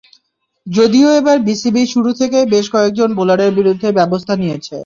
যদিও এবার বিসিবি শুরু থেকেই বেশ কয়েকজন বোলারের বিরুদ্ধে ব্যবস্থা নিয়েছে।